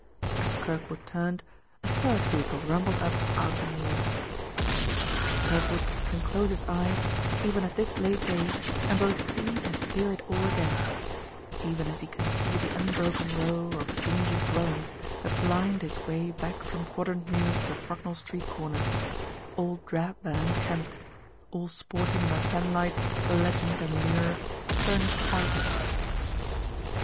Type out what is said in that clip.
As Kirkwood turned, a third vehicle rumbled up out of the mews. Kirkwood can close his eyes, even at this late day, and both see and hear it all again even as he can see the unbroken row of dingy dwellings that lined his way back from Quadrant Mews to Frognall Street corner: all drab and unkempt, all sporting in their fan lights the legend and lure, "Furnished Apartments."